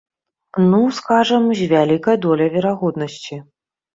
Ну, скажам, з вялікай доляй верагоднасці.